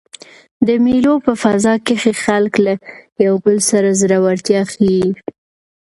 د مېلو په فضا کښي خلک له یو بل سره زړورتیا ښيي.